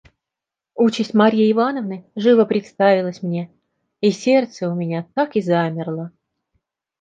Участь Марьи Ивановны живо представилась мне, и сердце у меня так и замерло.